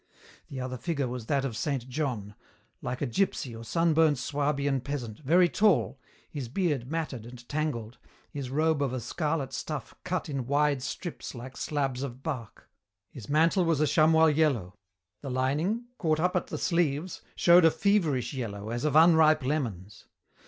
The other figure was that of Saint John, like a gipsy or sunburnt Swabian peasant, very tall, his beard matted and tangled, his robe of a scarlet stuff cut in wide strips like slabs of bark. His mantle was a chamois yellow; the lining, caught up at the sleeves, showed a feverish yellow as of unripe lemons.